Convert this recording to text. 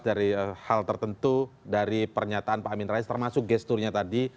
dari hal tertentu dari pernyataan pak amin rais termasuk gesturnya tadi